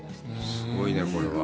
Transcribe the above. すごいね、これは。